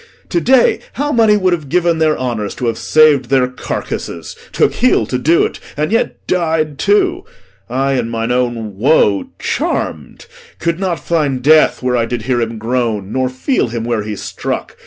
To day how many would have given their honours To have sav'd their carcasses! took heel to do't, And yet died too! I, in mine own woe charm'd, Could not find death where I did hear him groan, Nor feel him where he struck.